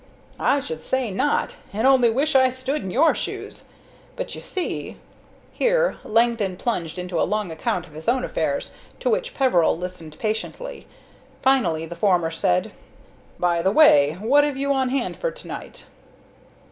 "I should say not, and only wish I stood in your shoes; but, you see " Here Langdon plunged into a long account of his own affairs, to which Peveril listened patiently. Finally the former said: "By the way, what have you on hand for to night?"